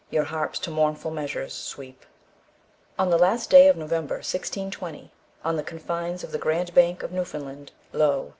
Your harps to mournful measures sweep." ON the last day of November, 1620, on the confines of the Grand Bank of Newfoundland, lo!